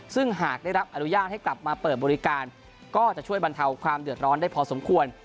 ซึ่งหากได้รับอนุญาตให้กลับมาเปิดบริการก็จะช่วยบรรเทาความเดือดร้อนได้พอสมควร